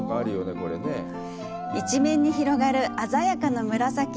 一面に広がる鮮やかな紫。